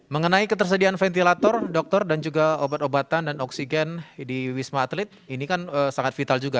mengenai ketersediaan ventilator dokter dan juga obat obatan dan oksigen di wisma atlet ini kan sangat vital juga